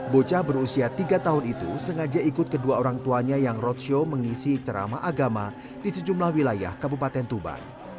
bocah berusia tiga tahun itu sengaja ikut kedua orang tuanya yang roadshow mengisi ceramah agama di sejumlah wilayah kabupaten tuban